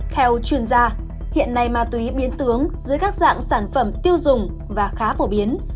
theo chuyên gia hiện nay ma túy biến tướng dưới các dạng sản phẩm tiêu dùng và khá phổ biến